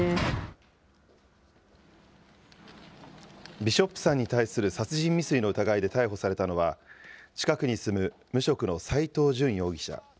ビショップさんに対する殺人未遂の疑いで逮捕されたのは、近くに住む無職の斎藤淳容疑者。